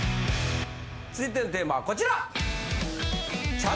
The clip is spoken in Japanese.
続いてのテーマはこちら！